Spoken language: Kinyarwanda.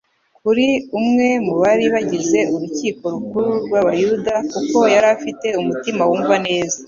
kuri umwe mu bari bagize urukiko rukuru mv'Abayuda kuko yari afite umutima wumva neza